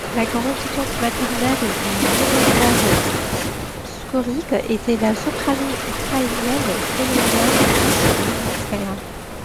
La grand-tante maternelle de Miroslav Skoryk était la soprano ukrainienne Solomia Kroushelnitskaya.